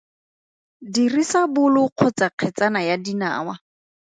Dirisa bolo kgotsa kgetsana ya dinawa.